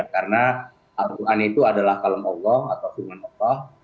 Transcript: karena al quran itu adalah kalam allah atau firman allah